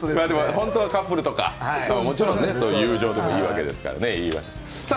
本当はカップルとかもちろん友情でもいいわけですから。